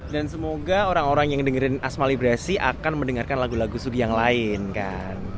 semoga orang orang yang dengerin asmalibrasi akan mendengarkan lagu lagu sudi yang lain kan